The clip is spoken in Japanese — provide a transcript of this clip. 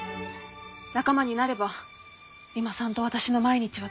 仲間になれば三馬さんと私の毎日は続きます。